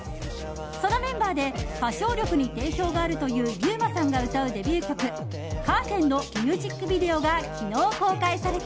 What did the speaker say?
そのメンバーで歌唱力に定評があるという悠馬さんが歌うデビュー曲「カーテン」のミュージックビデオが昨日公開された。